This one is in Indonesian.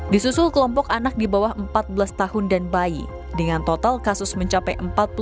disusul kelompok anak di bawah empat belas tahun dan bayi dengan total kasus mencapai empat puluh lima